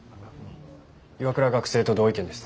岩倉学生と同意見です。